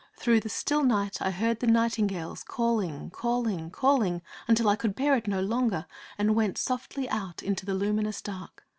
'Through the still night I heard the nightingales calling, calling, calling, until I could bear it no longer, and went softly out into the luminous dark.